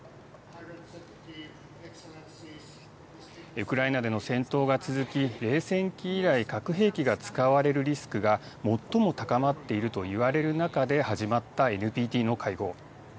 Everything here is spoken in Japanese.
ウクライナでの戦闘が続き、冷戦期以来、核兵器が使われるリスクが最も高まっているといわれる中で始まったＮＰＴの会合。